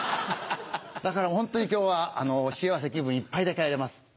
だからホントに今日は幸せ気分いっぱいで帰れます。